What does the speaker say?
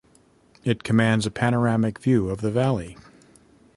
It commands a panoramic view of the valley.